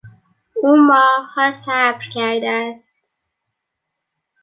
او ماهها صبر کرده است.